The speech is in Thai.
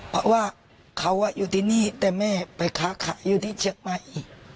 เพราะว่าเขาอยู่ที่นี่แต่แม่ไปค้าขายอยู่ที่เชียงใหม่